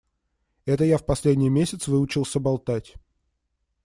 Это я в этот последний месяц выучился болтать.